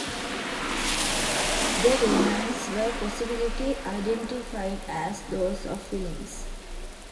The remains were positively identified as those of Williams.